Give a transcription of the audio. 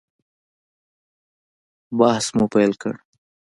بحث مو پیل کړ.